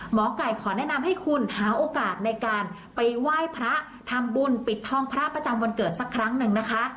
หมอไก่ขอแนะนำให้คุณหาโอกาสในการไปไหว้พระทำบุญปิดทองพระประจำวันเกิดสักครั้งหนึ่งนะคะ